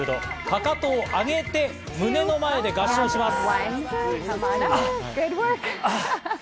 かかとを上げて胸の前で合掌します。